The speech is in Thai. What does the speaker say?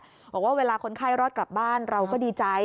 บอกว่าเวลาคนไข้รอดกลับบ้านเราก็ดีใจ